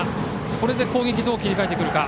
これで攻撃をどう切り替えてくるか。